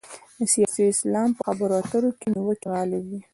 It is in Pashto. د سیاسي اسلام په خبرو اترو کې نیوکې غالب وي.